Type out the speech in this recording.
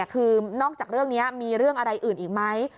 คือนอกจากเรื่องนี้มีเรื่องอะไรอื่นอีกไหม